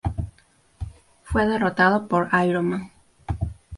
Fue derrotado por Iron Man.